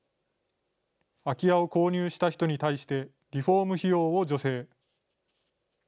空き家を購入した人に対してリフォーム費用を助成。